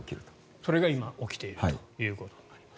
それが今、起きているということになります。